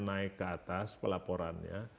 naik ke atas pelaporannya